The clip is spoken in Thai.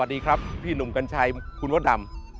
สวัสดีครับพี่หนุ่มกัญชัยคุณมดดำ